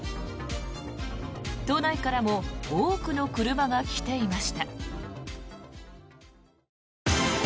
都内からも多くの車が来ていました。